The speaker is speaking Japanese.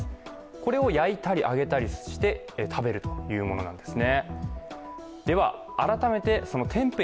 これを焼いたり揚げたりして食べるというものなんですね。